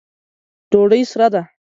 ډوډۍ سره ده